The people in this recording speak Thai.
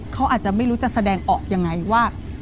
เขาอาจจะไม่รู้จะแสดงออกยังไงว่า